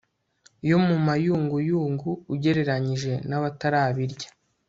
yo mu mayunguyungu ugereranyije n'abatabirya